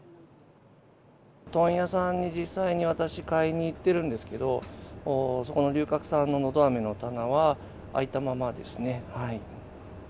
問屋さんに実際に私、買いに行ってるんですけど、そこの龍角散ののどあめの棚は空いたままですね。